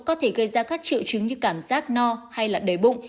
có thể gây ra các trự trứng như cảm giác no hay là đầy bụng